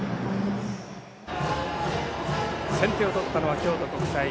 先手を取ったのは京都国際。